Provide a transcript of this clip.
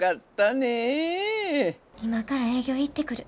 今から営業行ってくる。